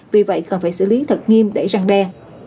vì vậy cần phải xử lý thật nghiêm để răng đe